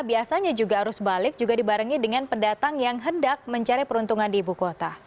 biasanya juga arus balik juga dibarengi dengan pendatang yang hendak mencari peruntungan di ibu kota